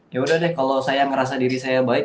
yaudah deh kalau saya merasa diri saya baik